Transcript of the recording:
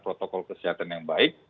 protokol kesehatan yang baik